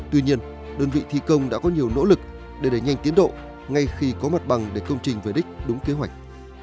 tuy nhiên đơn vị thi công đã có nhiều nỗ lực để đẩy nhanh tiến độ ngay khi có mặt bằng để công trình về đích đúng kế hoạch